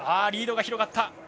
リードが広がった。